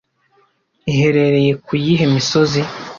iherereye ku yihe misozi